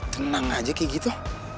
tenang aja kayak gitu